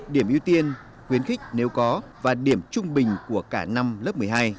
điểm ưu tiên khuyến khích nếu có và điểm trung bình của cả năm lớp một mươi hai